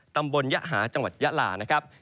ก็คือบริเวณอำเภอเมืองอุดรธานีนะครับ